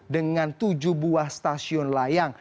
dengan tujuh buah stasiun layang